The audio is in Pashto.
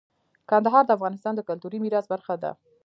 کندهار د افغانستان د کلتوري میراث برخه ده.